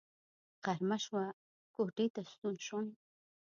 غرمه شوه کوټې ته ستون شوم.